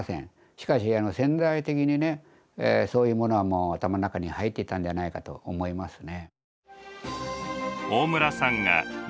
しかし潜在的にねそういうものはもう頭の中に入っていたんじゃないかと思いますね。